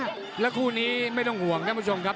ปายมันและคู่นี้ไม่ต้องห่วงนะเพื่อนผู้ชมครับ